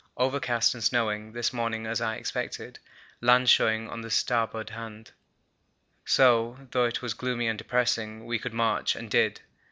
Overcast and snowing this morning as I expected, land showing on starboard hand, so, though it was gloomy and depressing, we could march, and did.